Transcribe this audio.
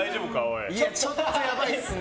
ちょっとやばいっすね。